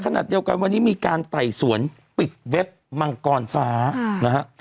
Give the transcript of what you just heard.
ขณะเดียวกันวันนี้มีการไต่สวนปิดเว็บมังกรฟ้านะฮะ